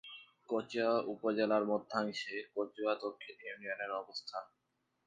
কচুয়া উপজেলার মধ্যাংশে কচুয়া দক্ষিণ ইউনিয়নের অবস্থান।